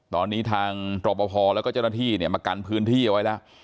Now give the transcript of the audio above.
ตอนนี้ทางตรปภแล้วก็เจ้าหน้าที่เนี่ยมากันพื้นที่เอาไว้แล้ว